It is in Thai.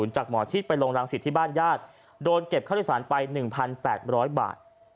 จากหมอชิดไปลงรังสิตที่บ้านญาติโดนเก็บค่าโดยสารไป๑๘๐๐บาท